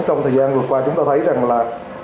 trong thời gian vừa qua chúng ta thấy rằng là